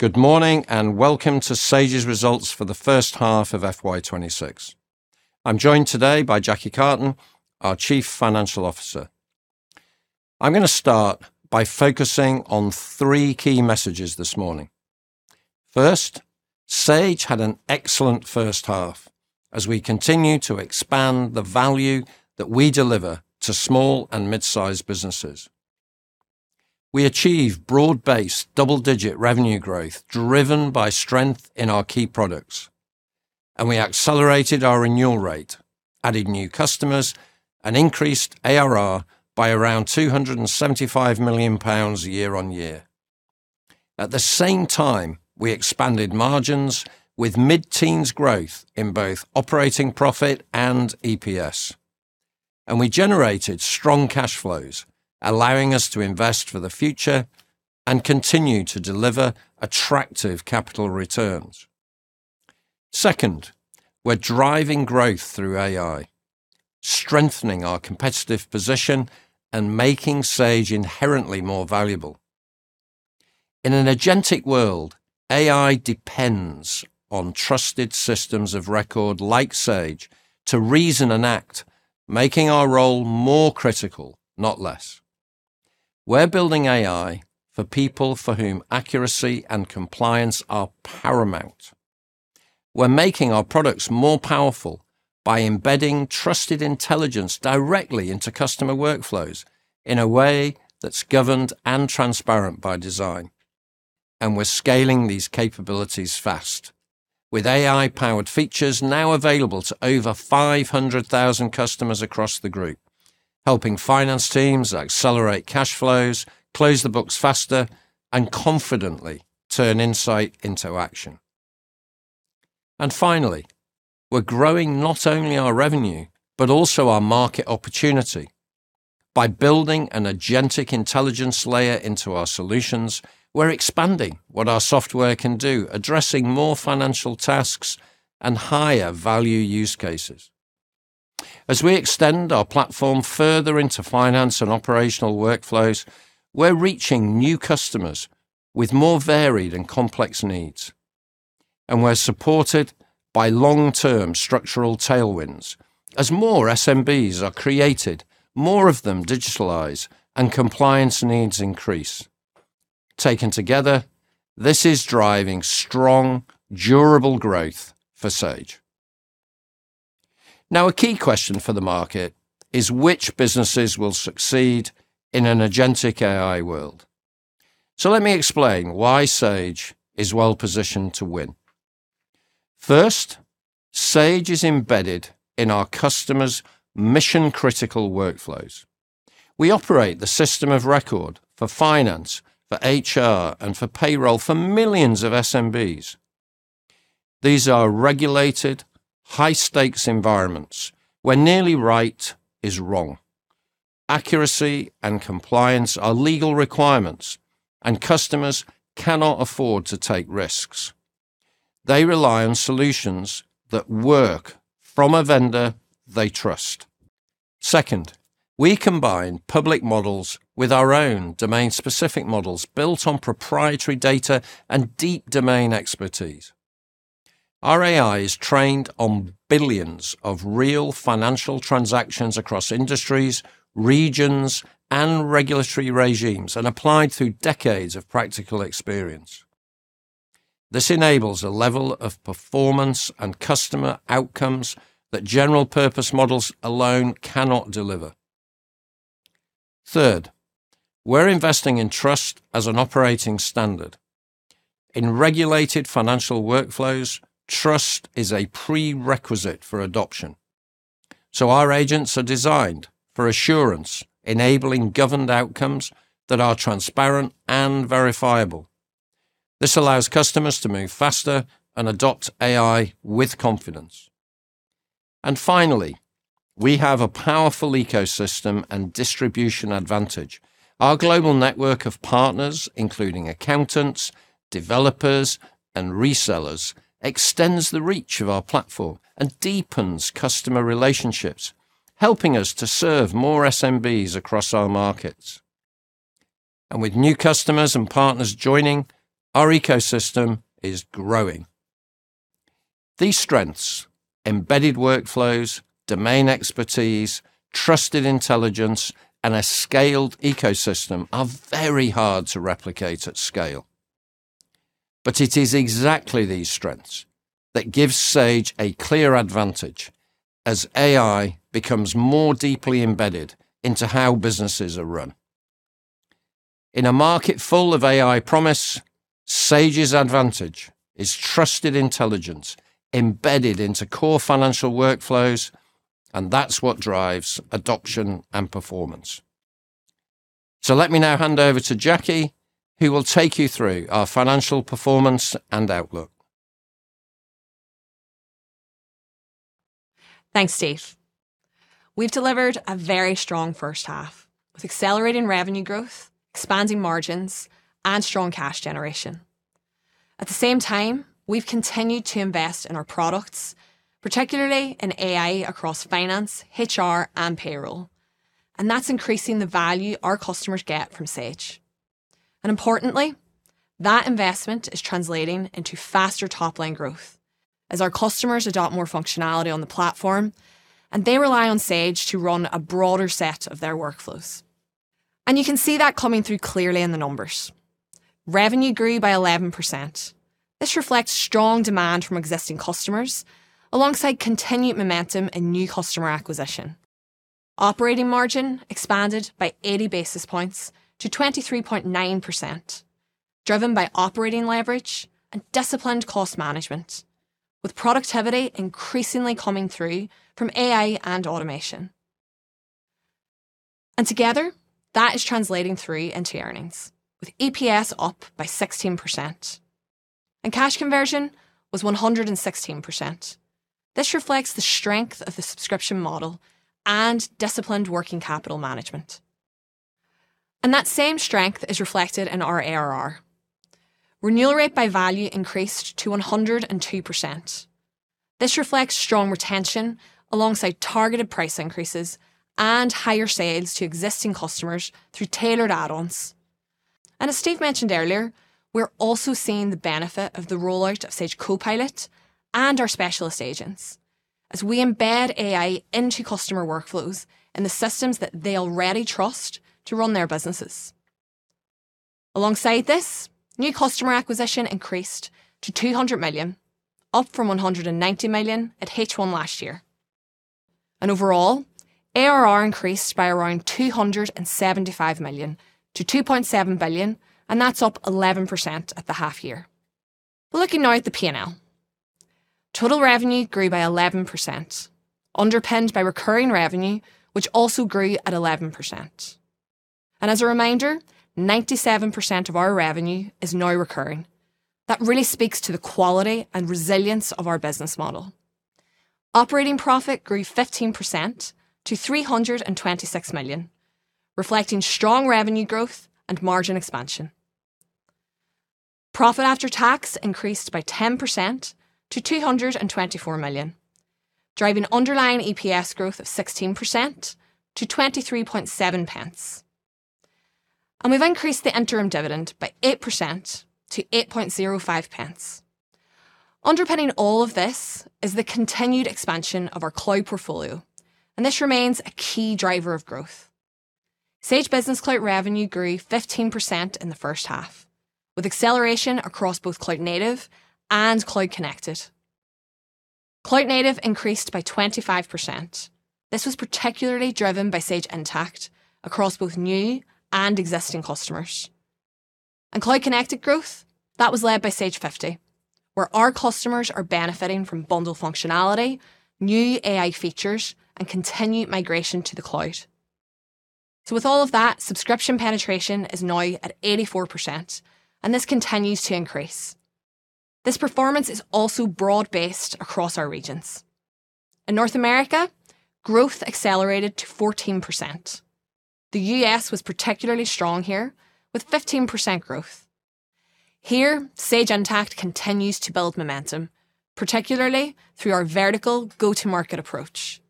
Good morning, welcome to Sage's Results for the First Half of FY 2026. I'm joined today by Jacqui Cartin, our Chief Financial Officer. I'm going to start by focusing on three key messages this morning. First, Sage had an excellent first half as we continue to expand the value that we deliver to small and mid-sized businesses. We achieved broad-based, double-digit revenue growth driven by strength in our key products, and we accelerated our annual rate, adding new customers and increased ARR by around 275 million pounds year-on-year. At the same time, we expanded margins with mid-teens growth in both operating profit and EPS. We generated strong cash flows, allowing us to invest for the future and continue to deliver attractive capital returns. Second, we're driving growth through AI, strengthening our competitive position and making Sage inherently more valuable. In an agentic world, AI depends on trusted systems of record like Sage to reason and act, making our role more critical, not less. We're building AI for people for whom accuracy and compliance are paramount. We're making our products more powerful by embedding trusted intelligence directly into customer workflows in a way that's governed and transparent by design. We're scaling these capabilities fast. With AI-powered features now available to over 500,000 customers across the group, helping finance teams accelerate cash flows, close the books faster, and confidently turn insight into action. Finally, we're growing not only our revenue, but also our market opportunity. By building an agentic intelligence layer into our solutions, we're expanding what our software can do, addressing more financial tasks and higher value use cases. As we extend our platform further into finance and operational workflows, we're reaching new customers with more varied and complex needs. We're supported by long-term structural tailwinds. As more SMBs are created, more of them digitalize and compliance needs increase. Taken together, this is driving strong, durable growth for Sage. Now, a key question for the market is which businesses will succeed in an agentic AI world? Let me explain why Sage is well-positioned to win. Sage is embedded in our customers' mission-critical workflows. We operate the system of record for finance, for HR, and for payroll for millions of SMBs. These are regulated, high-stakes environments where nearly right is wrong. Accuracy and compliance are legal requirements, and customers cannot afford to take risks. They rely on solutions that work from a vendor they trust. Second, we combine public models with our own domain-specific models built on proprietary data and deep domain expertise. Our AI is trained on billions of real financial transactions across industries, regions, and regulatory regimes and applied through decades of practical experience. This enables a level of performance and customer outcomes that general-purpose models alone cannot deliver. Third, we're investing in trust as an operating standard. In regulated financial workflows, trust is a prerequisite for adoption. Our agents are designed for assurance, enabling governed outcomes that are transparent and verifiable. This allows customers to move faster and adopt AI with confidence. Finally, we have a powerful ecosystem and distribution advantage. Our global network of partners including accountants, developers, and resellers, extends the reach of our platform and deepens customer relationships, helping us to serve more SMBs across our markets. With new customers and partners joining, our ecosystem is growing. These strengths, embedded workflows, domain expertise, trusted intelligence, and a scaled ecosystem, are very hard to replicate at scale. It is exactly these strengths that give Sage a clear advantage as AI becomes more deeply embedded into how businesses are run. In a market full of AI promise, Sage's advantage is trusted intelligence embedded into core financial workflows, and that's what drives adoption and performance. Let me now hand over to Jacqui, who will take you through our financial performance and outlook. Thanks, Steve. We've delivered a very strong first half with accelerating revenue growth, expanding margins, and strong cash generation. At the same time, we've continued to invest in our products, particularly in AI across finance, HR, and payroll. That's increasing the value our customers get from Sage. Importantly, that investment is translating into faster top-line growth as our customers adopt more functionality on the platform, and they rely on Sage to run a broader set of their workflows. You can see that coming through clearly in the numbers. Revenue grew by 11%. This reflects strong demand from existing customers, alongside continued momentum in new customer acquisition. Operating margin expanded by 80 basis points to 23.9%, driven by operating leverage and disciplined cost management, with productivity increasingly coming through from AI and automation. Together, that is translating through into earnings, with EPS up by 16%. Cash conversion was 116%. This reflects the strength of the subscription model and disciplined working capital management. That same strength is reflected in our ARR. Renewal rate by value increased to 102%. This reflects strong retention alongside targeted price increases and higher sales to existing customers through tailored add-ons. As Steve mentioned earlier, we're also seeing the benefit of the rollout of Sage Copilot and our specialist agents, as we embed AI into customer workflows in the systems that they already trust to run their businesses. Alongside this, new customer acquisition increased to 200 million, up from 190 million at H1 last year. Overall, ARR increased by around 275 million to 2.7 billion, and that's up 11% at the half year. Looking now at the P&L. Total revenue grew by 11%, underpinned by recurring revenue, which also grew at 11%. As a reminder, 97% of our revenue is now recurring. That really speaks to the quality and resilience of our business model. Operating profit grew 15% to 326 million, reflecting strong revenue growth and margin expansion. Profit after tax increased by 10% to 224 million, driving underlying EPS growth of 16% to 0.237. We've increased the interim dividend by 8% to 0.0805. Underpinning all of this is the continued expansion of our cloud portfolio and this remains a key driver of growth. Sage Business Cloud revenue grew 15% in the first half, with acceleration across both cloud native and cloud connected. Cloud native increased by 25%. This was particularly driven by Sage Intacct across both new and existing customers. Cloud connected growth, that was led by Sage 50, where our customers are benefiting from bundle functionality, new AI features, and continued migration to the cloud. With all of that, subscription penetration is now at 84%, and this continues to increase. This performance is also broad-based across our regions. In North America, growth accelerated to 14%. The U.S. was particularly strong here with 15% growth. Here, Sage Intacct continues to build momentum, particularly through our vertical go-to-market approach.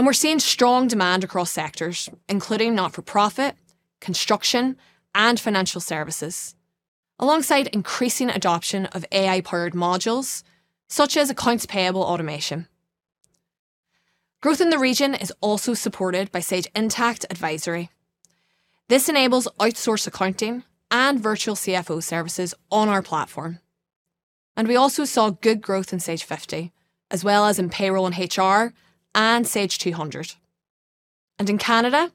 We're seeing strong demand across sectors including not-for-profit, construction, and financial services, alongside increasing adoption of AI-powered modules, such as Accounts Payable automation. Growth in the region is also supported by Sage Intacct Advisory. This enables outsourced accounting and virtual CFO services on our platform. We also saw good growth in Sage 50, as well as in Payroll and HR and Sage 200. In Canada,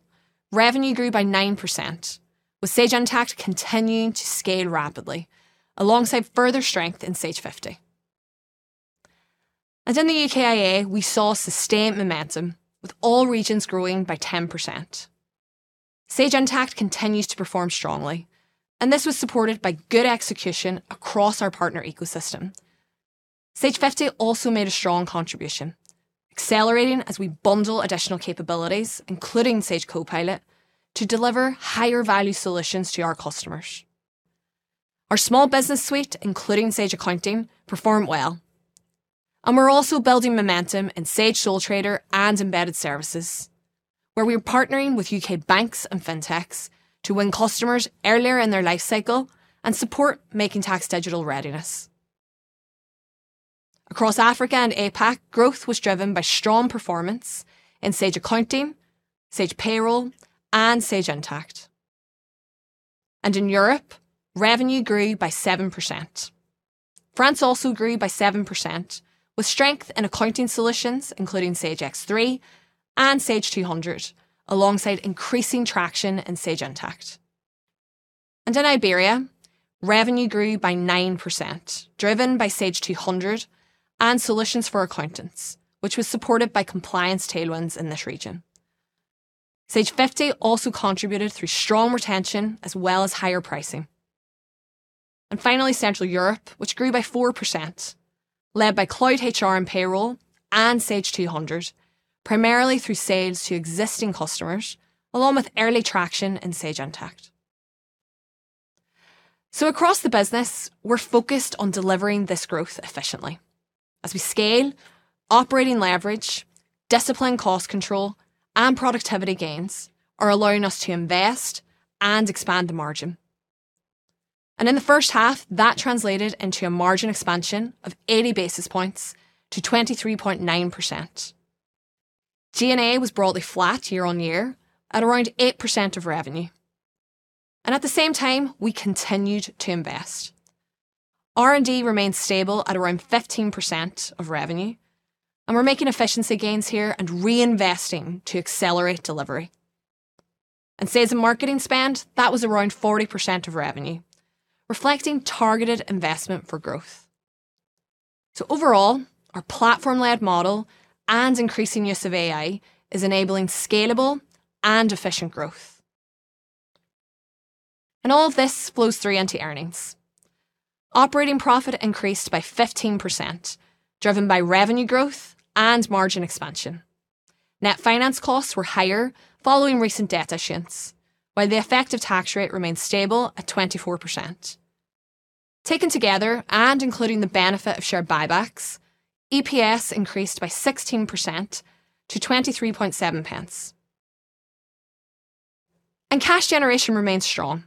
revenue grew by 9%, with Sage Intacct continuing to scale rapidly, alongside further strength in Sage 50. In the UKIA, we saw sustained momentum, with all regions growing by 10%. Sage Intacct continues to perform strongly, and this was supported by good execution across our partner ecosystem. Sage 50 also made a strong contribution, accelerating as we bundle additional capabilities, including Sage Copilot, to deliver higher value solutions to our customers. Our Small Business suite, including Sage Accounting, perform well. We're also building momentum in Sage Sole Trader and embedded services, where we are partnering with UK banks and fintechs to win customers earlier in their lifecycle and support Making Tax Digital readiness. Across Africa and APAC, growth was driven by strong performance in Sage Accounting, Sage Payroll, and Sage Intacct. In Europe, revenue grew by 7%. France also grew by 7%, with strength in accounting solutions including Sage X3 and Sage 200, alongside increasing traction in Sage Intacct. In Iberia, revenue grew by 9%, driven by Sage 200 and solutions for accountants, which was supported by compliance tailwinds in this region. Sage 50 also contributed through strong retention as well as higher pricing. Finally, Central Europe, which grew by 4%, led by Cloud HR and Payroll and Sage 200, primarily through sales to existing customers, along with early traction in Sage Intacct. Across the business, we're focused on delivering this growth efficiently. As we scale, operating leverage, disciplined cost control, and productivity gains are allowing us to invest and expand the margin. In the first half, that translated into a margin expansion of 80 basis points to 23.9%. G&A was broadly flat year-on-year at around 8% of revenue. At the same time, we continued to invest. R&D remains stable at around 15% of revenue, and we're making efficiency gains here and reinvesting to accelerate delivery. Sales and marketing spend, that was around 40% of revenue, reflecting targeted investment for growth. Overall, our platform-led model and increasing use of AI is enabling scalable and efficient growth. All of this flows through into earnings. Operating profit increased by 15%, driven by revenue growth and margin expansion. Net finance costs were higher following recent debt issuance, while the effective tax rate remained stable at 24%. Taken together and including the benefit of share buybacks, EPS increased by 16% to 0.237. Cash generation remains strong.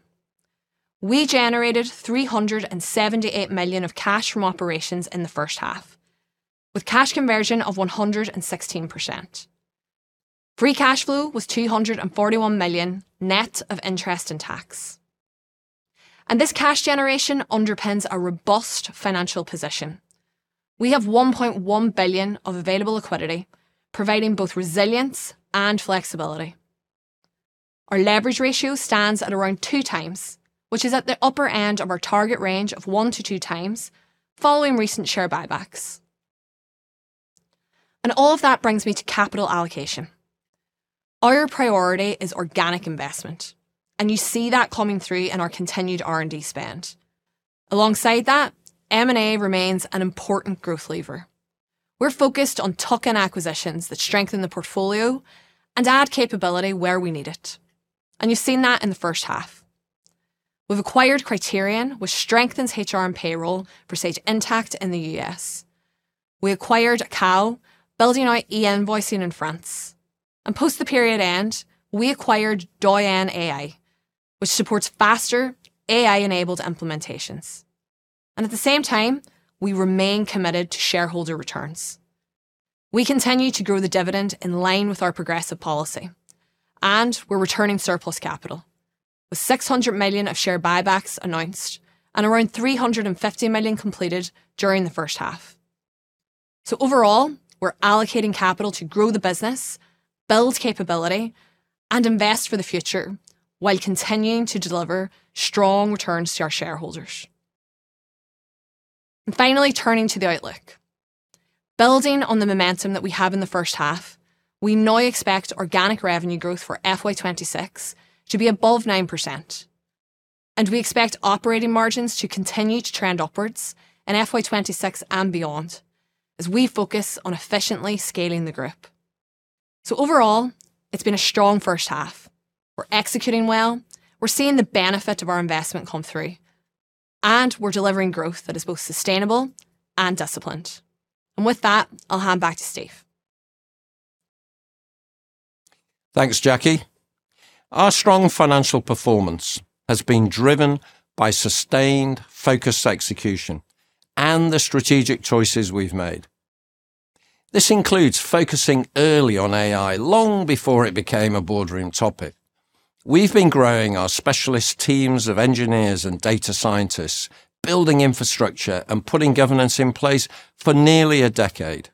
We generated 378 million of cash from operations in the first half, with cash conversion of 116%. Free Cash Flow was 241 million, net of interest and tax. This cash generation underpins a robust financial position. We have 1.1 billion of available liquidity, providing both resilience and flexibility. Our leverage ratio stands at around two times, which is at the upper end of our target range of 1 to 2 times, following recent share buybacks. All of that brings me to capital allocation. Our priority is organic investment, you see that coming through in our continued R&D spend. Alongside that, M&A remains an important growth lever. We're focused on tuck-in acquisitions that strengthen the portfolio and add capability where we need it. You've seen that in the first half. We've acquired Criterion, which strengthens HR and payroll for Sage Intacct in the U.S. We acquired Akao, building out e-invoicing in France. Post the period end, we acquired Doyen AI, which supports faster AI-enabled implementations. At the same time, we remain committed to shareholder returns. We continue to grow the dividend in line with our progressive policy. We're returning surplus capital, with 600 million of share buybacks announced and around 350 million completed during the first half. Overall, we're allocating capital to grow the business, build capability, and invest for the future while continuing to deliver strong returns to our shareholders. Finally, turning to the outlook. Building on the momentum that we have in the first half, we now expect organic revenue growth for FY 2026 to be above 9%. We expect operating margins to continue to trend upwards in FY 2026 and beyond as we focus on efficiently scaling the group. Overall, it's been a strong first half. We're executing well. We're seeing the benefit of our investment come through. We're delivering growth that is both sustainable and disciplined. With that, I'll hand back to Steve. Thanks, Jacqui. Our strong financial performance has been driven by sustained, focused execution and the strategic choices we've made. This includes focusing early on AI, long before it became a boardroom topic. We've been growing our specialist teams of engineers and data scientists, building infrastructure, and putting governance in place for nearly a decade.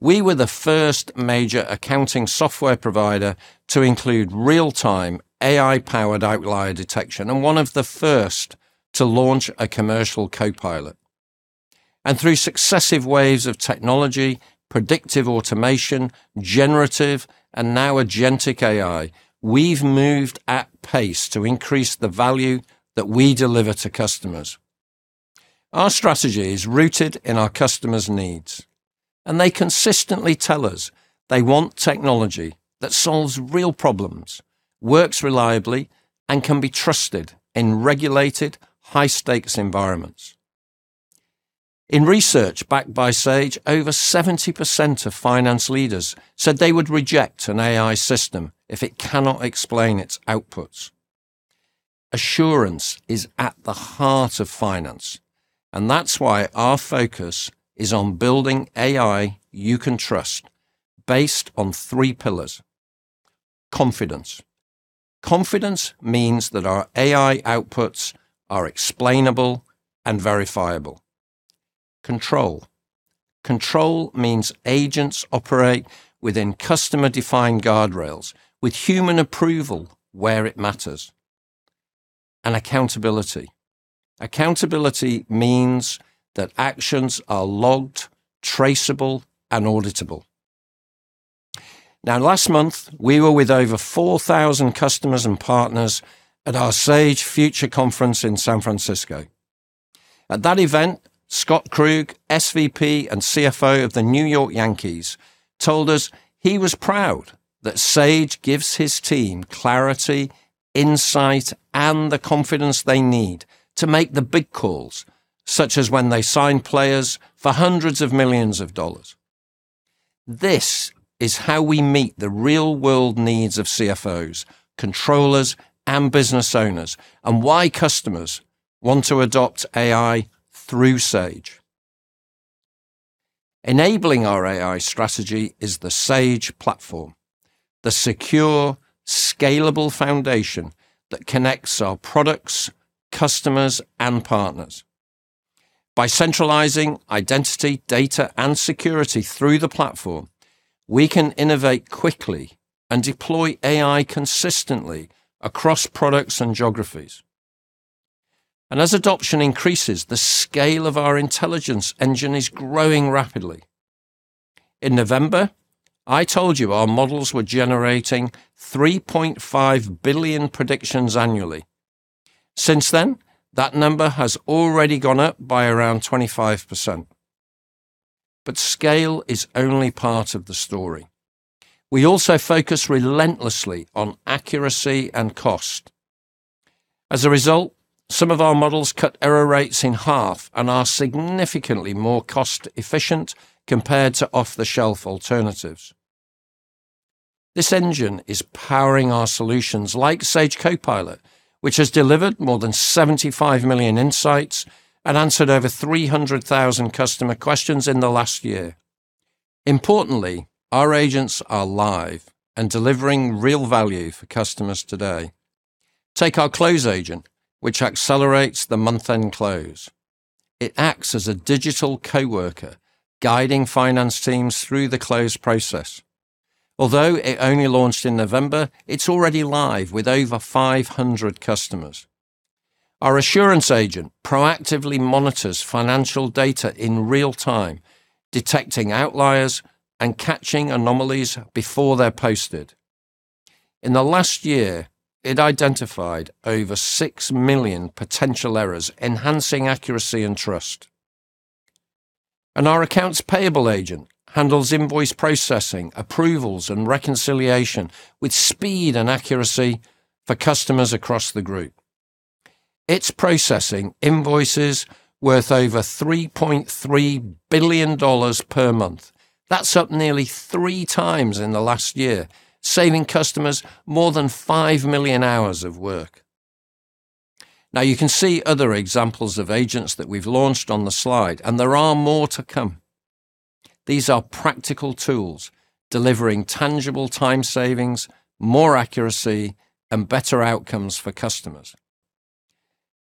We were the first major accounting software provider to include real-time, AI-powered outlier detection, and one of the first to launch a commercial copilot. Through successive waves of technology, predictive automation, generative, and now agentic AI, we've moved at pace to increase the value that we deliver to customers. Our strategy is rooted in our customers' needs and they consistently tell us they want technology that solves real problems, works reliably, and can be trusted in regulated, high-stakes environments. In research backed by Sage, over 70% of finance leaders said they would reject an AI system if it cannot explain its outputs. Assurance is at the heart of finance. That's why our focus is on building AI you can trust, based on three pillars. Confidence. Confidence means that our AI outputs are explainable and verifiable. Control. Control means agents operate within customer-defined guardrails with human approval where it matters. Accountability. Accountability means that actions are logged, traceable, and auditable. Last month, we were with over 4,000 customers and partners at our Sage Future Conference in San Francisco. At that event, Scott Krug, SVP and CFO of the New York Yankees, told us he was proud that Sage gives his team clarity, insight, and the confidence they need to make the big calls, such as when they sign players for hundreds of millions of dollars. This is how we meet the real-world needs of CFOs, controllers, and business owners, and why customers want to adopt AI through Sage. Enabling our AI strategy is the Sage platform, the secure, scalable foundation that connects our products, customers, and partners. By centralizing identity, data, and security through the platform, we can innovate quickly and deploy AI consistently across products and geographies. As adoption increases, the scale of our intelligence engine is growing rapidly. In November, I told you our models were generating 3.5 billion predictions annually. Since then, that number has already gone up by around 25%. Scale is only part of the story. We also focus relentlessly on accuracy and cost. As a result, some of our models cut error rates in half and are significantly more cost-efficient compared to off-the-shelf alternatives. This engine is powering our solutions like Sage Copilot, which has delivered more than 75 million insights and answered over 300,000 customer questions in the last year. Importantly, our agents are live and delivering real value for customers today. Take our Close Agent, which accelerates the month-end close. It acts as a digital coworker, guiding finance teams through the close process. Although it only launched in November, it is already live with over 500 customers. Our Assurance Agent proactively monitors financial data in real time, detecting outliers and catching anomalies before they are posted. In the last year, it identified over 6 million potential errors, enhancing accuracy and trust. Our Accounts Payable Agent handles invoice processing, approvals, and reconciliation with speed and accuracy for customers across the group. It is processing invoices worth over $3.3 billion per month. That's up nearly three times in the last year, saving customers more than 5 million hours of work. You can see other examples of agents that we've launched on the slide, and there are more to come. These are practical tools delivering tangible time savings, more accuracy, and better outcomes for customers.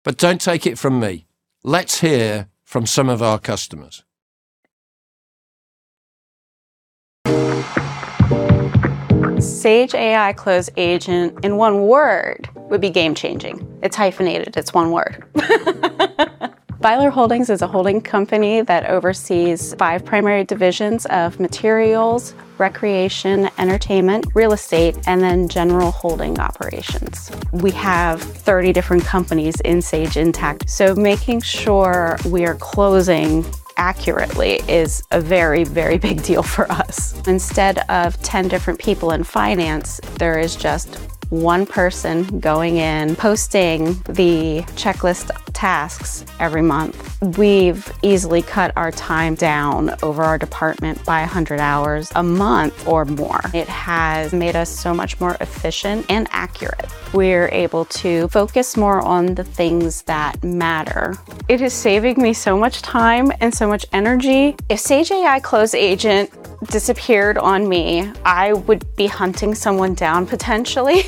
Don't take it from me. Let's hear from some of our customers. Sage AI Close Agent in one word would be game-changing. It's hyphenated. It's one word. Byler Holdings is a holding company that oversees five primary divisions of materials, recreation, entertainment, real estate, and then general holding operations. We have 30 different companies in Sage Intacct, so making sure we are closing accurately is a very, very big deal for us. Instead of 10 different people in finance, there is just one person going in, posting the checklist tasks every month. We've easily cut our time down over our department by 100 hours a month or more. It has made us so much more efficient and accurate. We're able to focus more on the things that matter. It is saving me so much time and so much energy. If Sage AI Close Agent disappeared on me, I would be hunting someone down potentially.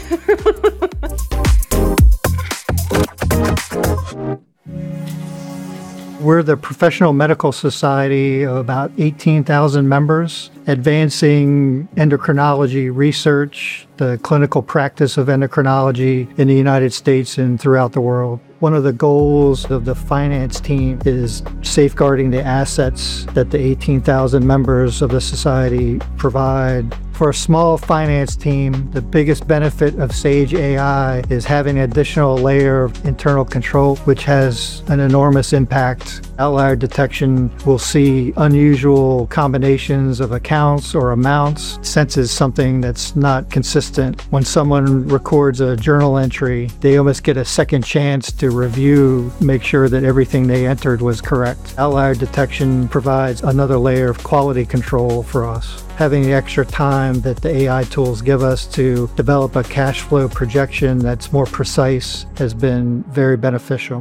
We're the professional medical society of about 18,000 members, advancing endocrinology research, the clinical practice of endocrinology in the U.S. and throughout the world. One of the goals of the finance team is safeguarding the assets that the 18,000 members of the society provide. For a small finance team, the biggest benefit of Sage AI is having an additional layer of internal control, which has an enormous impact. Outlier detection will see unusual combinations of accounts or amounts, senses something that's not consistent. When someone records a journal entry, they almost get a second chance to review, make sure that everything they entered was correct. Outlier detection provides another layer of quality control for us. Having the extra time that the AI tools give us to develop a cash flow projection that's more precise has been very beneficial.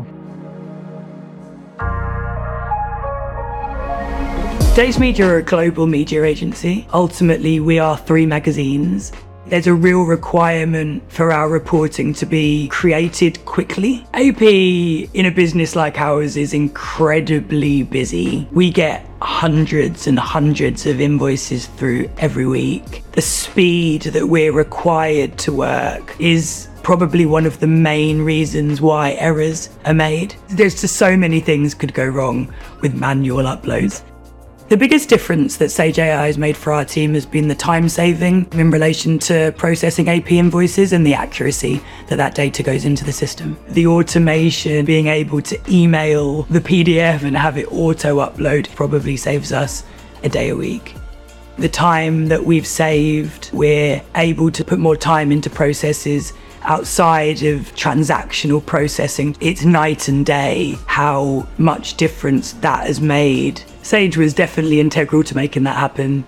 Dazed Media are a global media agency. Ultimately, we are three magazines. There's a real requirement for our reporting to be created quickly. AP, in a business like ours, is incredibly busy. We get hundreds and hundreds of invoices through every week. The speed that we're required to work is probably one of the main reasons why errors are made. There's just so many things could go wrong with manual uploads. The biggest difference that Sage AI has made for our team has been the time saving in relation to processing AP invoices and the accuracy that that data goes into the system. The automation, being able to email the PDF and have it auto-upload, probably saves us a day a week. The time that we've saved, we're able to put more time into processes outside of transactional processing. It's night and day how much difference that has made. Sage was definitely integral to making that happen.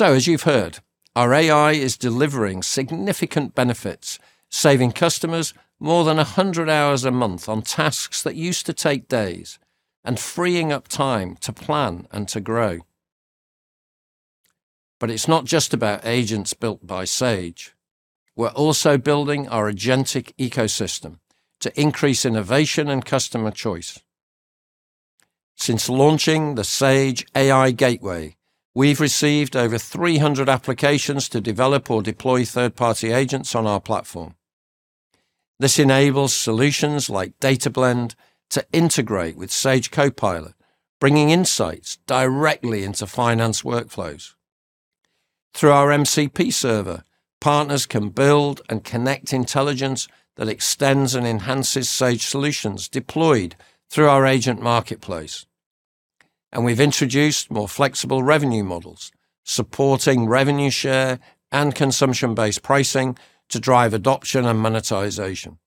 As you've heard, our AI is delivering significant benefits, saving customers more than 100 hours a month on tasks that used to take days, and freeing up time to plan and to grow. It's not just about agents built by Sage. We're also building our agentic ecosystem to increase innovation and customer choice. Since launching the Sage AI Gateway, we've received over 300 applications to develop or deploy third-party agents on our platform. This enables solutions like DataBlend to integrate with Sage Copilot, bringing insights directly into finance workflows. Through our MCP server, partners can build and connect intelligence that extends and enhances Sage solutions deployed through our agent marketplace. We've introduced more flexible revenue models, supporting revenue share and consumption-based pricing to drive adoption and monetization.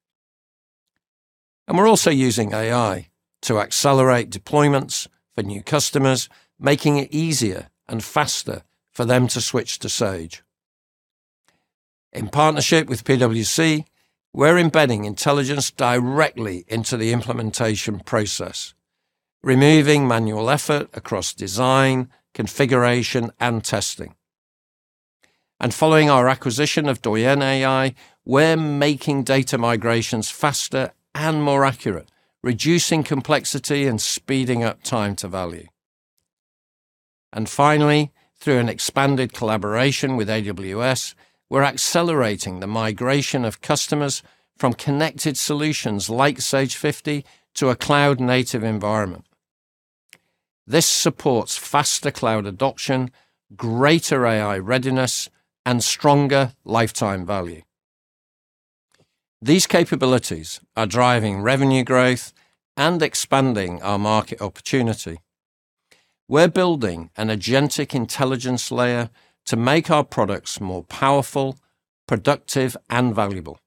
We're also using AI to accelerate deployments for new customers, making it easier and faster for them to switch to Sage. In partnership with PwC, we're embedding intelligence directly into the implementation process, removing manual effort across design, configuration, and testing. Following our acquisition of Doyen AI, we're making data migrations faster and more accurate, reducing complexity and speeding up time to value. Finally, through an expanded collaboration with AWS, we're accelerating the migration of customers from connected solutions like Sage 50 to a cloud-native environment. This supports faster cloud adoption, greater AI readiness, and stronger lifetime value. These capabilities are driving revenue growth and expanding our market opportunity. We're building an agentic intelligence layer to make our products more powerful, productive, and valuable.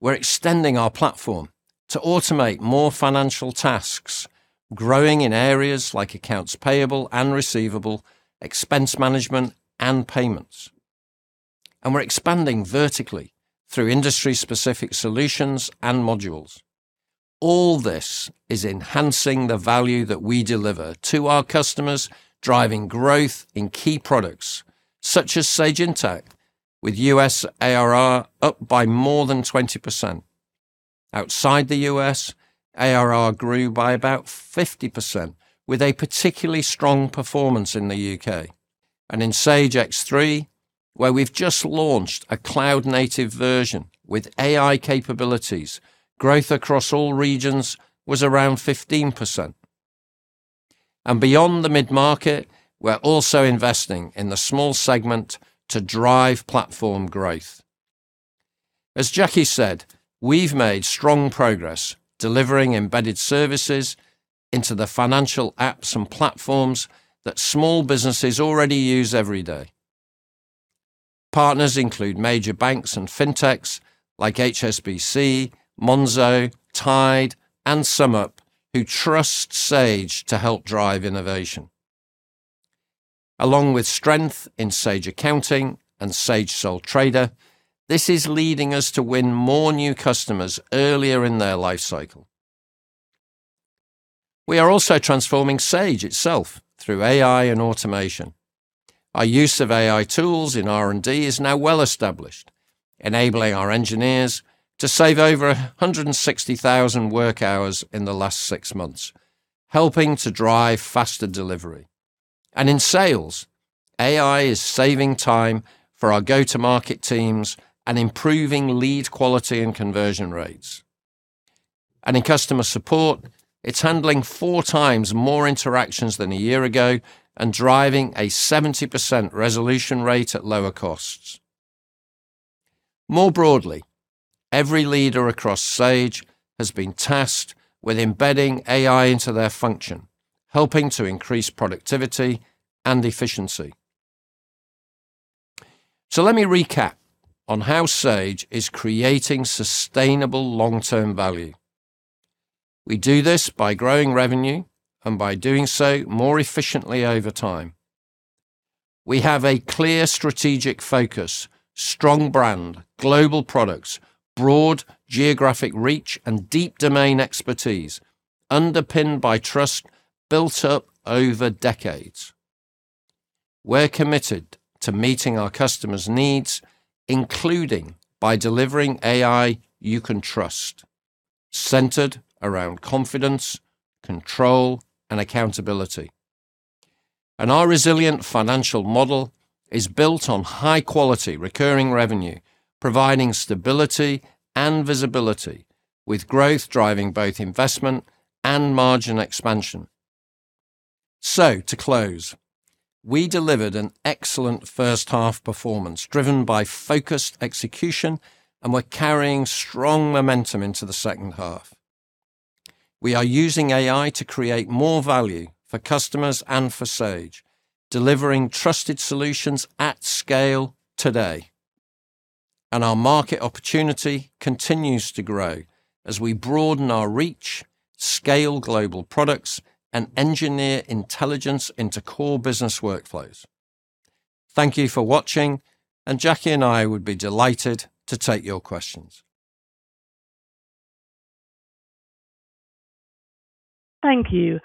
We're extending our platform to automate more financial tasks, growing in areas like accounts payable and receivable, expense management, and payments. We're expanding vertically through industry-specific solutions and modules. All this is enhancing the value that we deliver to our customers, driving growth in key products such as Sage Intacct with U.S. ARR up by more than 20%. Outside the U.S., ARR grew by about 50%, with a particularly strong performance in the U.K. In Sage X3, where we've just launched a cloud-native version with AI capabilities, growth across all regions was around 15%. Beyond the mid-market, we're also investing in the small segment to drive platform growth. As Jacqui said, we've made strong progress delivering embedded services into the financial apps and platforms that small businesses already use every day. Partners include major banks and fintechs like HSBC, Monzo, Tide, and SumUp, who trust Sage to help drive innovation. Along with strength in Sage Accounting and Sage Sole Trader, this is leading us to win more new customers earlier in their life cycle. We are also transforming Sage itself through AI and automation. Our use of AI tools in R&D is now well-established, enabling our engineers to save over 160,000 work hours in the last six months, helping to drive faster delivery. In sales, AI is saving time for our go-to-market teams and improving lead quality and conversion rates. In customer support, it's handling four times more interactions than a year ago and driving a 70% resolution rate at lower costs. More broadly, every leader across Sage has been tasked with embedding AI into their function, helping to increase productivity and efficiency. Let me recap on how Sage is creating sustainable long-term value. We do this by growing revenue and by doing so more efficiently over time. We have a clear strategic focus, strong brand, global products, broad geographic reach, and deep domain expertise, underpinned by trust built up over decades. We're committed to meeting our customers' needs, including by delivering AI you can trust, centered around confidence, control, and accountability. Our resilient financial model is built on high-quality recurring revenue, providing stability and visibility with growth driving both investment and margin expansion. To close, we delivered an excellent first half performance driven by focused execution, and we're carrying strong momentum into the second half. We are using AI to create more value for customers and for Sage, delivering trusted solutions at scale today. Our market opportunity continues to grow as we broaden our reach, scale global products, and engineer intelligence into core business workflows. Thank you for watching, and Jacqui and I would be delighted to take your questions. Thank you.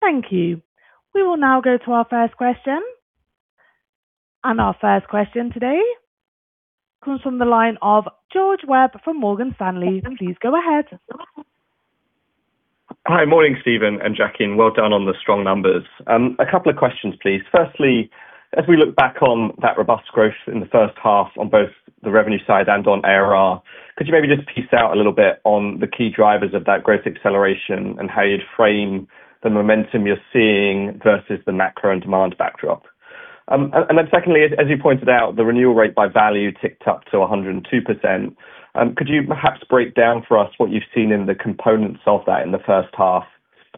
Thank you. We will now go to our first question. Our first question today comes from the line of George Webb from Morgan Stanley. Please go ahead. Hi. Morning, Steve and Jacqui, and well done on the strong numbers. A couple of questions, please. Firstly, as we look back on that robust growth in the first half on both the revenue side and on ARR, could you maybe just tease out a little bit on the key drivers of that growth acceleration and how you'd frame the momentum you're seeing versus the macro and demand backdrop? Secondly, as you pointed out, the renewal rate by value ticked up to 102%. Could you perhaps break down for us what you've seen in the components of that in the first half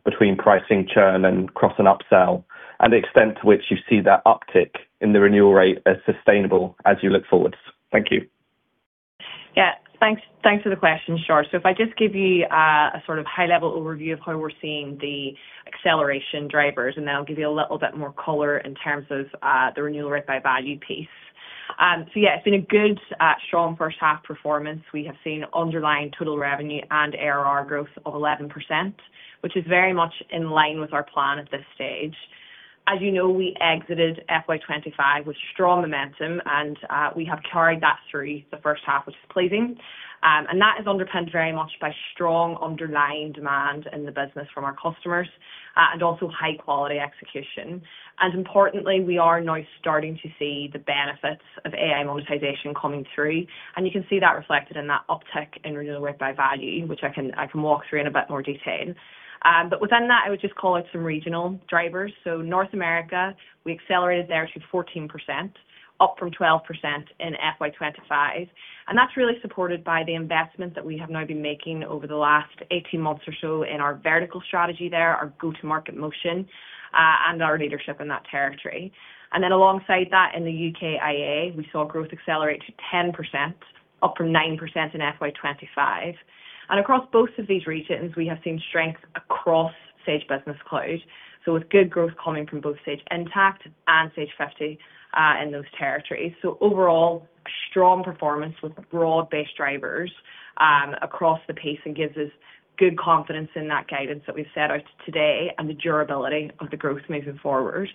between pricing churn and cross and upsell, and the extent to which you see that uptick in the renewal rate as sustainable as you look forward? Thank you. Yeah. Thanks for the question, George. If I just give you a high-level overview of how we're seeing the acceleration drivers, and then I'll give you a little bit more color in terms of the renewal rate by value piece. Yeah, it's been a good, strong first half performance. We have seen underlying total revenue and ARR growth of 11%, which is very much in line with our plan at this stage. As you know, we exited FY 2025 with strong momentum, and we have carried that through the first half, which is pleasing. That is underpinned very much by strong underlying demand in the business from our customers, and also high-quality execution. Importantly, we are now starting to see the benefits of AI monetization coming through, and you can see that reflected in that uptick in renewal rate by value, which I can walk through in a bit more detail. Within that, I would just call out some regional drivers. North America, we accelerated there to 14%, up from 12% in FY 2025. That's really supported by the investment that we have now been making over the last 18 months or so in our vertical strategy there, our go-to-market motion, and our leadership in that territory. Alongside that, in the UKIA, we saw growth accelerate to 10%, up from 9% in FY 2025. Across both of these regions, we have seen strength across Sage Business Cloud. With good growth coming from both Sage Intacct and Sage 50, in those territories. Overall, strong performance with broad-based drivers across the piece and gives us good confidence in that guidance that we've set out today and the durability of the growth moving forward.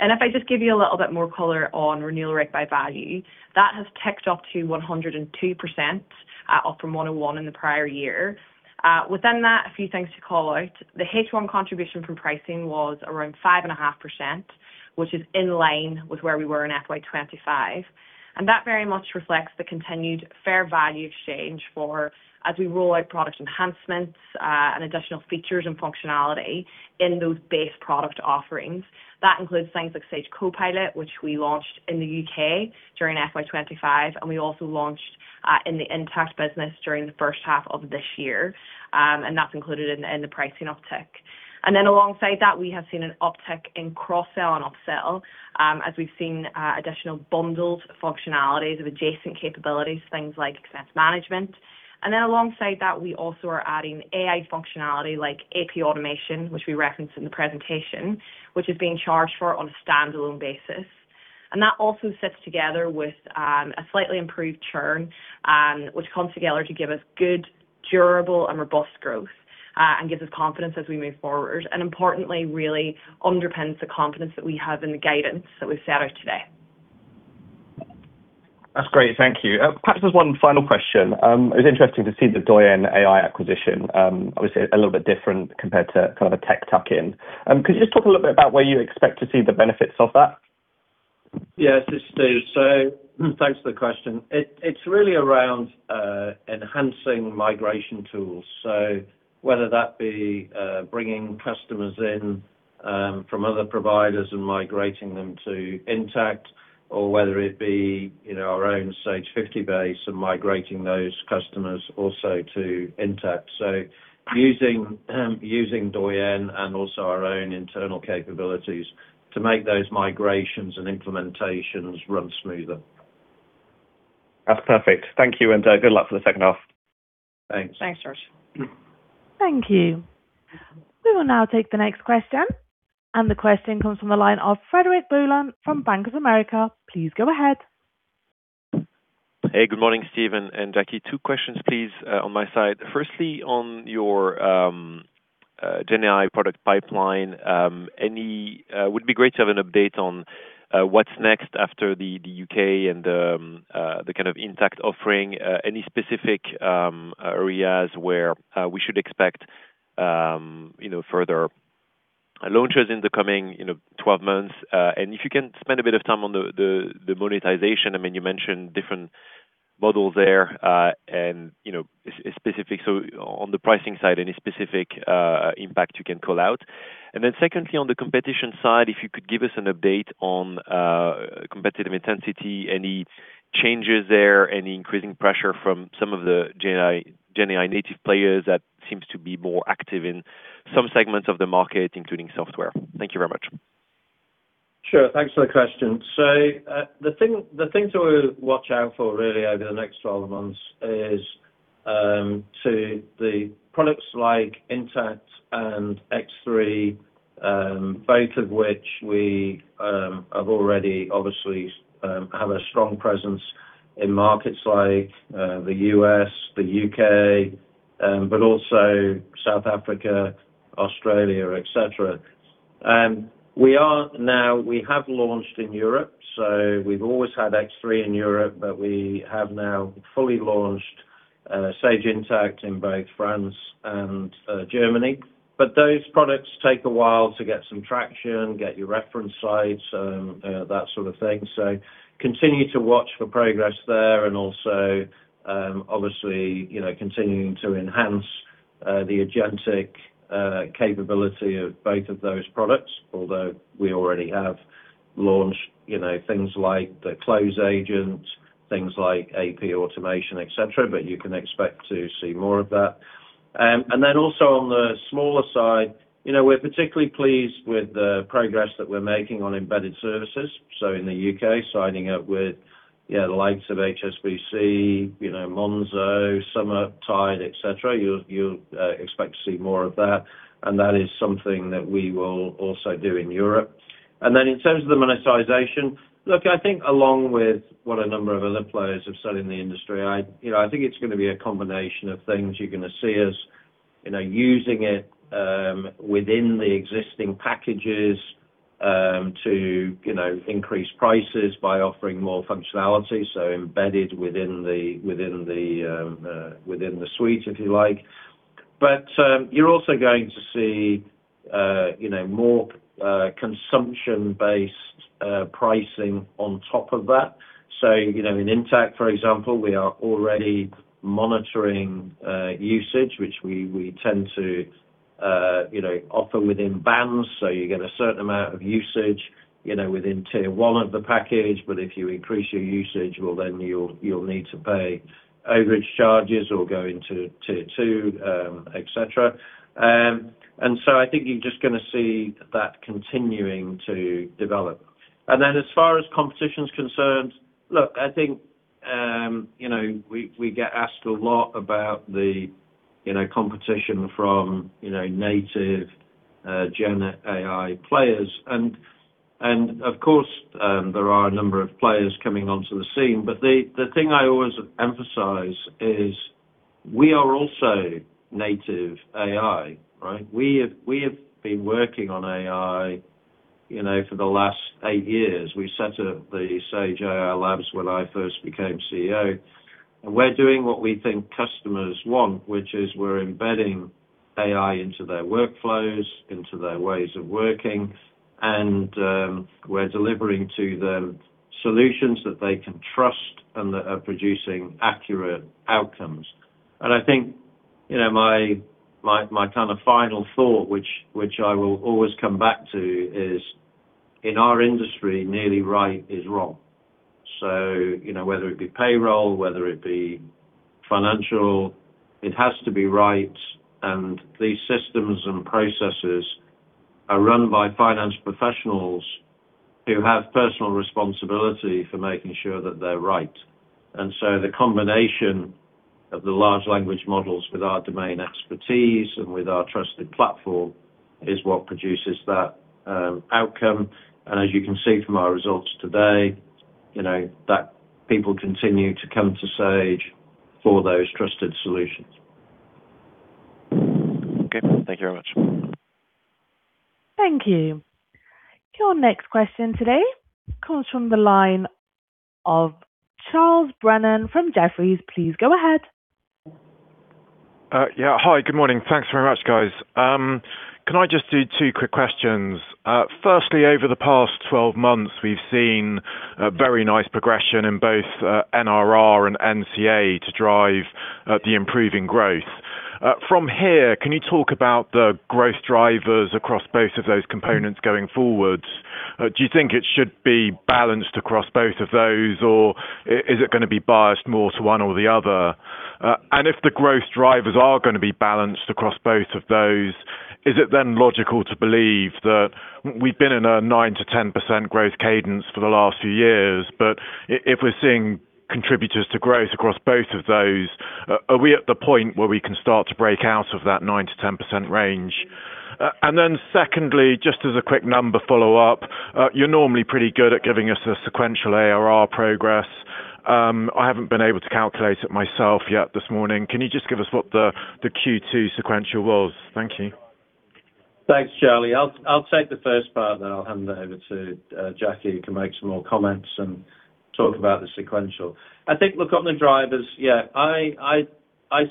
If I just give you a little bit more color on renewal rate by value, that has ticked up to 102%, up from 101% in the prior year. Within that, a few things to call out. The H1 contribution from pricing was around 5.5%, which is in line with where we were in FY 2025. That very much reflects the continued fair value exchange for as we roll out product enhancements and additional features and functionality in those base product offerings. That includes things like Sage Copilot, which we launched in the U.K. during FY 2025, and we also launched in the Intacct business during the first half of this year. That's included in the pricing uptick. Alongside that, we have seen an uptick in cross-sell and upsell, as we've seen additional bundled functionalities of adjacent capabilities, things like expense management. Alongside that, we also are adding AI functionality like AP automation, which we referenced in the presentation, which is being charged for on a stand-alone basis. That also sits together with a slightly improved churn, which comes together to give us good, durable and robust growth, and gives us confidence as we move forward. Importantly, really underpins the confidence that we have in the guidance that we've set out today. That's great. Thank you. Perhaps just one final question. It was interesting to see the Doyen AI acquisition. Obviously, a little bit different compared to kind of a tech tuck-in. Could you just talk a little bit about where you expect to see the benefits of that? Yes, it's Steve. Thanks for the question. It's really around enhancing migration tools. Whether that be bringing customers in from other providers and migrating them to Intacct or whether it be our own Sage 50 base and migrating those customers also to Intacct. Using Doyen and also our own internal capabilities to make those migrations and implementations run smoother. That's perfect. Thank you, and good luck for the second half. Thanks. Thanks, George. Thank you. We will now take the next question, and the question comes from the line of Frederic Boulan from Bank of America. Please go ahead. Hey, good morning, Steve and Jacqui. Two questions, please, on my side. Firstly, on your Gen AI product pipeline, would be great to have an update on what's next after the U.K. and the kind of Intacct offering, any specific areas where we should expect further launches in the coming 12 months. If you can spend a bit of time on the monetization. You mentioned different models there, on the pricing side, any specific impact you can call out. Secondly, on the competition side, if you could give us an update on competitive intensity, any changes there, any increasing pressure from some of the Gen AI native players that seems to be more active in some segments of the market, including software. Thank you very much. Sure. Thanks for the question. The things that we watch out for really over the next 12 months is to the products like Intacct and X3, both of which we have already obviously have a strong presence in markets like the U.S., the U.K., but also South Africa, Australia, et cetera. We have launched in Europe, so we've always had X3 in Europe, but we have now fully launched Sage Intacct in both France and Germany. Those products take a while to get some traction, get your reference sites, that sort of thing. Continue to watch for progress there and also, obviously, continuing to enhance the agentic capability of both of those products. Although we already have launched things like the Close agent, things like AP automation, et cetera, but you can expect to see more of that. Then also on the smaller side, we're particularly pleased with the progress that we're making on embedded services. So in the U.K., signing up with the likes of HSBC, Monzo, SumUp, Tide, et cetera. You'll expect to see more of that, and that is something that we will also do in Europe. Then in terms of the monetization. Look, I think along with what a number of other players have said in the industry, I think it's going to be a combination of things. You're going to see us using it within the existing packages to increase prices by offering more functionality, so embedded within the suite, if you like. You're also going to see more consumption-based pricing on top of that. So, in Intacct, for example, we are already monitoring usage which we tend to offer within bands. You get a certain amount of usage within Tier 1 of the package, but if you increase your usage, well, then you'll need to pay overage charges or go into Tier 2, et cetera. I think you're just going to see that continuing to develop. As far as competition's concerned, look, I think, we get asked a lot about the competition from native Gen AI players. Of course, there are a number of players coming onto the scene, but the thing I always emphasize is we are also native AI, right? We have been working on AI for the last eight years. We set up the Sage AI Labs when I first became CEO. We're doing what we think customers want, which is we're embedding AI into their workflows, into their ways of working, and we're delivering to them solutions that they can trust and that are producing accurate outcomes. I think my kind of final thought, which I will always come back to, is in our industry, nearly right is wrong. Whether it be payroll, whether it be financial, it has to be right, and these systems and processes are run by finance professionals who have personal responsibility for making sure that they're right. The combination of the large language models with our domain expertise and with our trusted platform is what produces that outcome. As you can see from our results today, that people continue to come to Sage for those trusted solutions. Okay. Thank you very much. Thank you. Your next question today comes from the line of Charles Brennan from Jefferies. Please go ahead. Yeah. Hi, good morning. Thanks very much, guys. Can I just do two quick questions? Firstly, over the past 12 months, we've seen a very nice progression in both NRR and NCA to drive the improving growth. From here, can you talk about the growth drivers across both of those components going forward? Do you think it should be balanced across both of those, or is it going to be biased more to one or the other? If the growth drivers are going to be balanced across both of those, is it then logical to believe that we've been in a 9% to 10% growth cadence for the last few years, but if we're seeing contributors to growth across both of those, are we at the point where we can start to break out of that 9% to 10% range? Secondly, just as a quick number follow-up, you're normally pretty good at giving us a sequential ARR progress. I haven't been able to calculate it myself yet this morning. Can you just give us what the Q2 sequential was? Thank you. Thanks, Charlie. I'll take the first part, then I'll hand it over to Jacqui, who can make some more comments and talk about the sequential. I think look on the drivers, yeah, I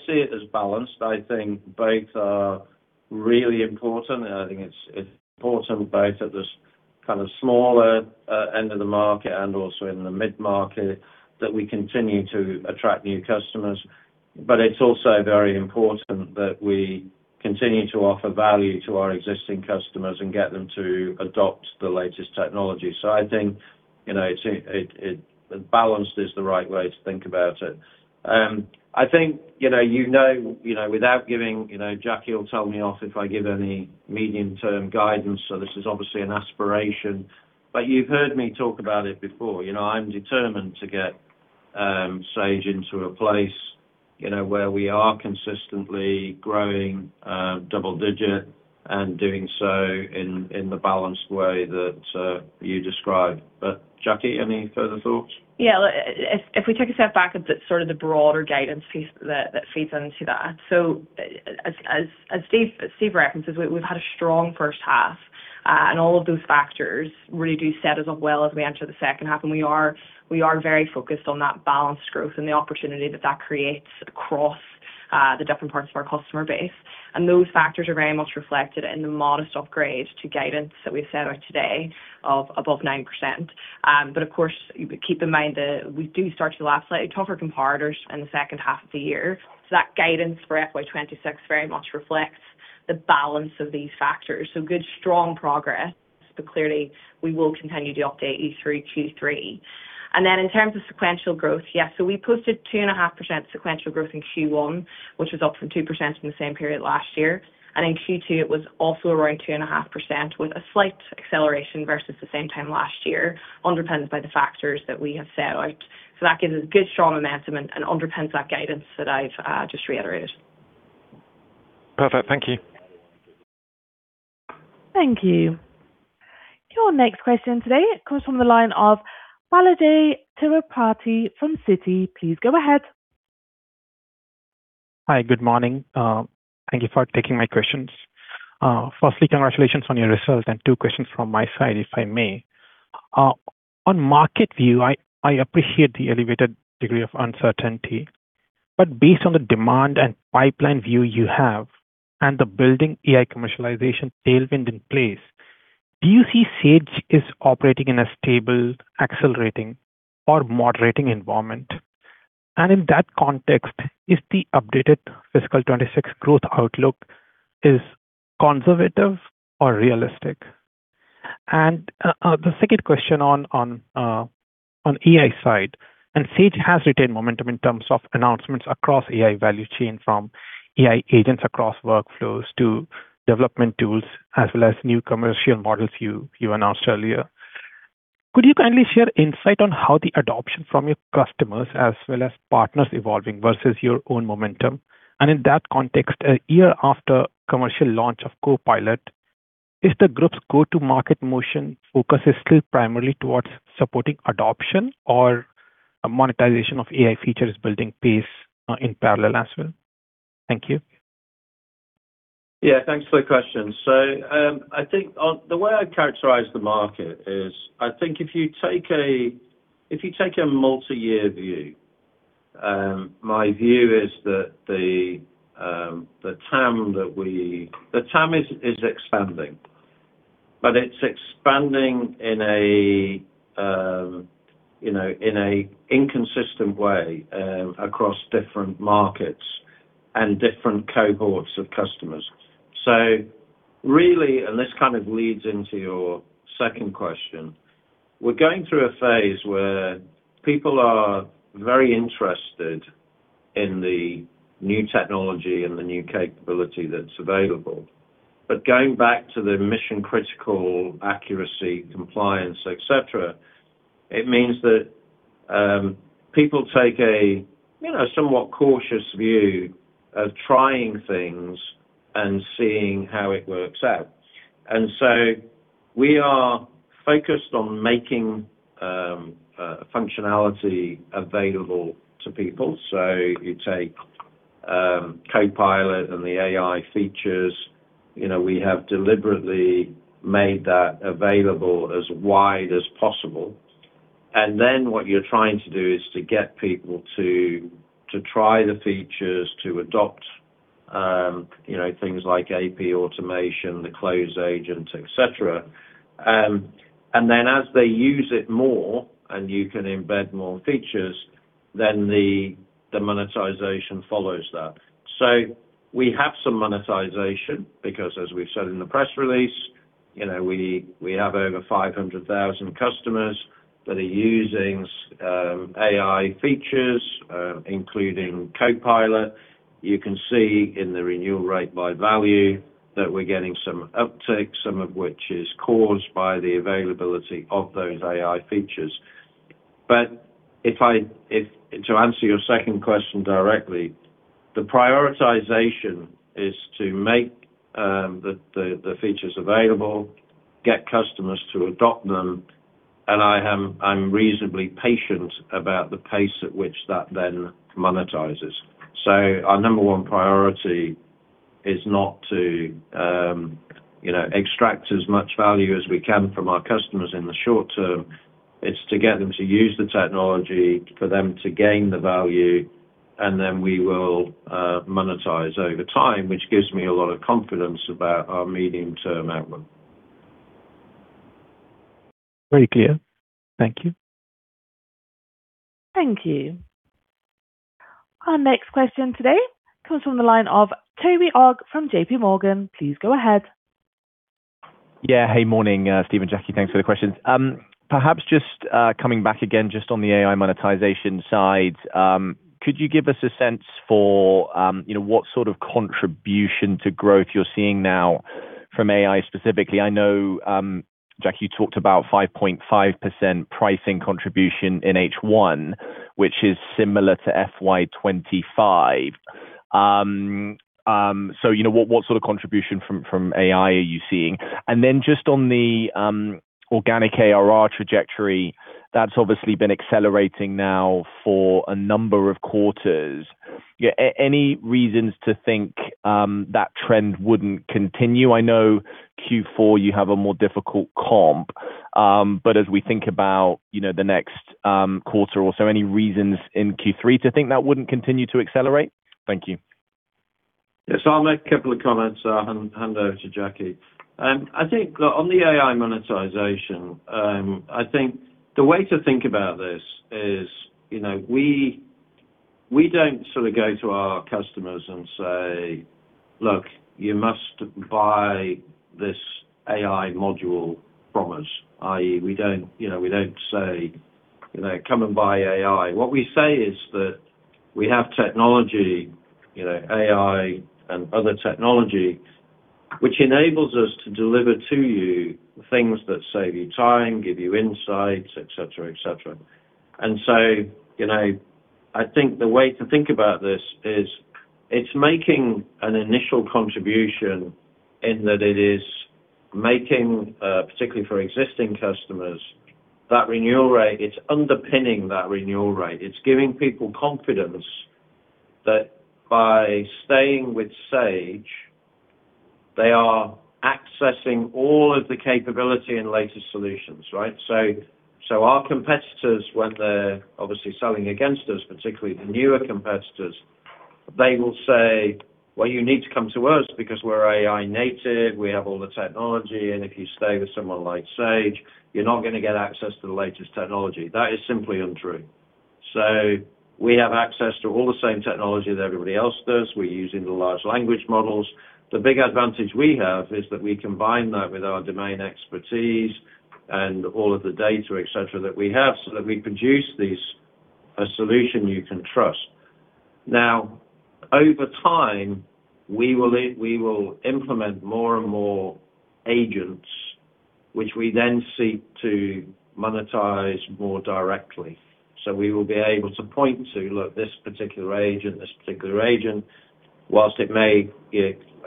see it as balanced. I think both are really important, and I think it's important both at the smaller end of the market and also in the mid-market, that we continue to attract new customers. It's also very important that we continue to offer value to our existing customers and get them to adopt the latest technology. I think, balanced is the right way to think about it. I think, you know without giving. Jacqui will tell me off if I give any medium-term guidance, this is obviously an aspiration. You've heard me talk about it before. I'm determined to get Sage into a place where we are consistently growing double digit and doing so in the balanced way that you described. Jacqui, any further thoughts? Yeah. If we take a step back at the broader guidance piece that feeds into that. As Steve references, we've had a strong first half. All of those factors really do set us up well as we enter the second half, and we are very focused on that balanced growth and the opportunity that that creates across the different parts of our customer base. Those factors are very much reflected in the modest upgrade to guidance that we've set out today of above 9%. Of course, keep in mind that we do start to lap slightly tougher comparators in the second half of the year. That guidance for FY 2026 very much reflects the balance of these factors. Good, strong progress, but clearly we will continue to update you through Q3. In terms of sequential growth, we posted 2.5% sequential growth in Q1, which was up from 2% in the same period last year. In Q2, it was also around 2.5% with a slight acceleration versus the same time last year, underpinned by the factors that we have set out. That gives us good, strong momentum and underpins that guidance that I've just reiterated. Perfect. Thank you. Thank you. Your next question today comes from the line of Balajee Tirupati from Citi. Please go ahead. Hi. Good morning. Thank you for taking my questions. Firstly, congratulations on your results and two questions from my side, if I may. On market view, I appreciate the elevated degree of uncertainty. Based on the demand and pipeline view you have and the building AI commercialization tailwind in place, do you see Sage is operating in a stable, accelerating or moderating environment? In that context, if the updated fiscal 26 growth outlook is conservative or realistic? The second question on AI side, Sage has retained momentum in terms of announcements across AI value chain, from AI agents across workflows to development tools, as well as new commercial models you announced earlier. Could you kindly share insight on how the adoption from your customers as well as partners evolving versus your own momentum? In that context, a year after commercial launch of Copilot, is the group's go-to market motion focus still primarily towards supporting adoption or monetization of AI features building pace in parallel as well? Thank you. Yeah, thanks for the question. I think the way I'd characterize the market is, I think if you take a multi-year view, my view is that the TAM is expanding, but it's expanding in an inconsistent way across different markets and different cohorts of customers. Really, and this kind of leads into your second question, we're going through a phase where people are very interested in the new technology and the new capability that's available. Going back to the mission-critical accuracy, compliance, et cetera, it means that people take a somewhat cautious view of trying things and seeing how it works out. We are focused on making functionality available to people. You take Copilot and the AI features, we have deliberately made that available as wide as possible. What you're trying to do is to get people to try the features, to adopt things like AP automation, the Close agent, et cetera. As they use it more and you can embed more features, then the monetization follows that. We have some monetization because, as we've said in the press release, we have over 500,000 customers that are using AI features, including Copilot. You can see in the renewal rate by value that we're getting some uptick, some of which is caused by the availability of those AI features. To answer your second question directly, the prioritization is to make the features available, get customers to adopt them, and I'm reasonably patient about the pace at which that then monetizes. Our number one priority is not to extract as much value as we can from our customers in the short term. It's to get them to use the technology, for them to gain the value, and then we will monetize over time, which gives me a lot of confidence about our medium-term outlook. Very clear. Thank you. Thank you. Our next question today comes from the line of Toby Ogg from JPMorgan. Please go ahead. Hey, morning, Steve and Jacqui. Thanks for the questions. Perhaps just coming back again, just on the AI monetization side, could you give us a sense for what sort of contribution to growth you're seeing now from AI specifically? I know, Jacqui, you talked about 5.5% pricing contribution in H1, which is similar to FY 2025. What sort of contribution from AI are you seeing? Just on the organic ARR trajectory, that's obviously been accelerating now for a number of quarters. Any reasons to think that trend wouldn't continue? I know Q4, you have a more difficult comp, but as we think about the next quarter or so, any reasons in Q3 to think that wouldn't continue to accelerate? Thank you. Yes, I'll make a couple of comments, and hand over to Jacqui. I think on the AI monetization, I think the way to think about this is we don't go to our customers and say, "Look, you must buy this AI module from us." We don't say, "Come and buy AI." What we say is that we have technology, AI and other technology, which enables us to deliver to you things that save you time, give you insights, et cetera. I think the way to think about this is it's making an initial contribution in that it is making, particularly for existing customers, that renewal rate. It's underpinning that renewal rate. It's giving people confidence that by staying with Sage, they are accessing all of the capability and latest solutions, right? Our competitors, when they're obviously selling against us, particularly the newer competitors, they will say, "Well, you need to come to us because we're AI native. We have all the technology, and if you stay with someone like Sage, you're not going to get access to the latest technology." That is simply untrue. We have access to all the same technology that everybody else does. We're using the large language models. The big advantage we have is that we combine that with our domain expertise and all of the data, et cetera, that we have, so that we produce a solution you can trust. Now, over time, we will implement more and more agents, which we then seek to monetize more directly. We will be able to point to, look, this particular agent, whilst it may,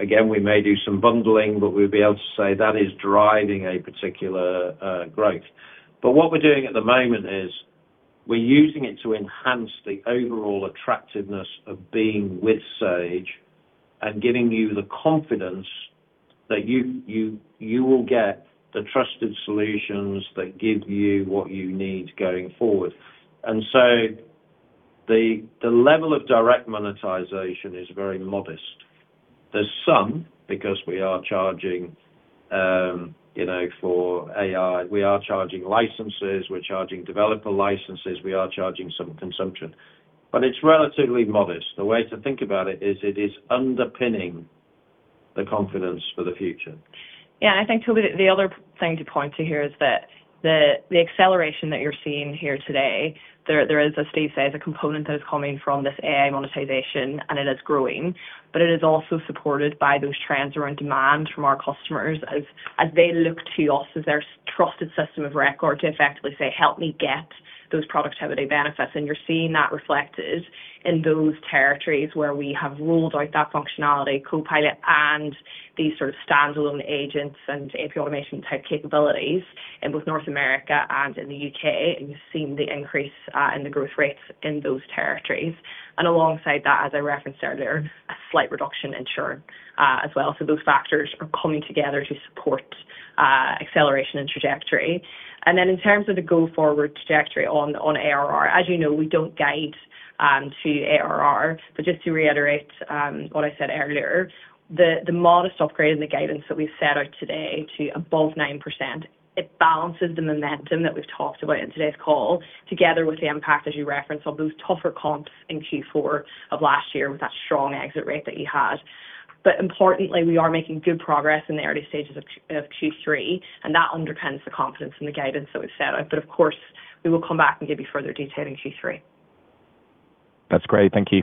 again, we may do some bundling but we'll be able to say that is driving a particular growth. What we're doing at the moment is we're using it to enhance the overall attractiveness of being with Sage and giving you the confidence that you will get the trusted solutions that give you what you need going forward. The level of direct monetization is very modest. There's some, because we are charging for AI. We are charging licenses, we're charging developer licenses, we are charging some consumption. It's relatively modest. The way to think about it is it is underpinning the confidence for the future. Yeah, I think, Toby, the other thing to point to here is that the acceleration that you're seeing here today, there is, as Steve said, a component that is coming from this AI monetization, and it is growing, but it is also supported by those trends around demand from our customers as they look to us as their trusted system of record to effectively say, "Help me get those productivity benefits." You're seeing that reflected in those territories where we have rolled out that functionality, Copilot, and these sort of standalone agents and AP automation type capabilities in both North America and in the U.K. You've seen the increase in the growth rates in those territories. Alongside that, as I referenced earlier, a slight reduction in churn as well. Those factors are coming together to support acceleration and trajectory. In terms of the go-forward trajectory on ARR, as you know, we don't guide to ARR, but just to reiterate what I said earlier, the modest upgrade in the guidance that we've set out today to above 9%, it balances the momentum that we've talked about in today's call, together with the impact, as you referenced, on those tougher comps in Q4 of last year with that strong exit rate that you had. Importantly, we are making good progress in the early stages of Q3, and that underpins the confidence in the guidance that we've set out. Of course, we will come back and give you further detail in Q3. That's great. Thank you.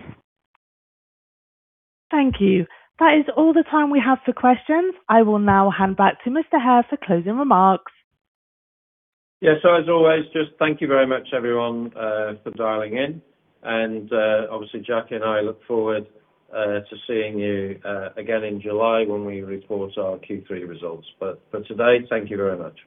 Thank you. That is all the time we have for questions. I will now hand back to Mr. Hare for closing remarks. As always, just thank you very much, everyone, for dialing in. Obviously, Jacqui and I look forward to seeing you again in July when we report our Q3 results. For today, thank you very much.